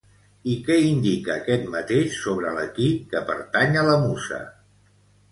I què indica aquest mateix sobre l'equí que pertany a la musa?